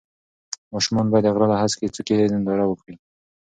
ماشومان باید د غره له هسکې څوکې ننداره وکړي.